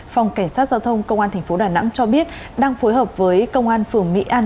phòng cảnh sát giao thông công an tp đà nẵng cho biết đang phối hợp với công an phường mỹ an